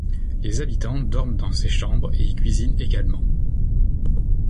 Les habitants dorment dans ces chambres et y cuisinent également.